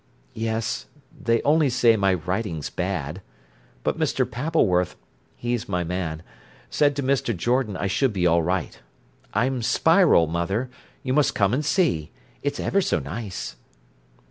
"Yes: they only say my writing's bad. But Mr. Pappleworth—he's my man—said to Mr. Jordan I should be all right. I'm Spiral, mother; you must come and see. It's ever so nice."